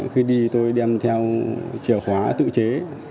khi đi tôi đem theo chìa khóa tự chế